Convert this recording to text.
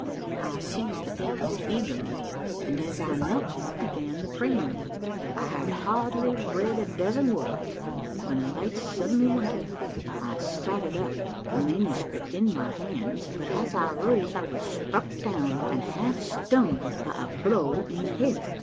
I seized the papers eagerly and, as I knelt there, began the preamble. I had hardly read a dozen words, when the lights suddenly went out. I started up, the manuscript in my hands, but, as I rose, I was struck down and half stunned by a blow in the head.